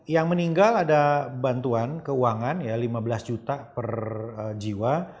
yang meninggal ada bantuan keuangan ya lima belas juta per jiwa